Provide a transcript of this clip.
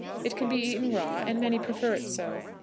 It can be eaten raw, and many prefer it so.